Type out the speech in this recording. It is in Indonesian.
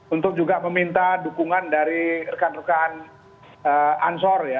untuk juga meminta dukungan dari rekan rekan ansor ya